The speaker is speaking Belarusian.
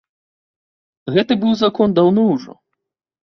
Гэты быў закон даўно ўжо.